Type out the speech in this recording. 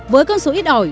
với công số ít ỏi